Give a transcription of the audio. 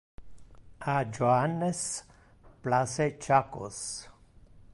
A Johannes place chacos.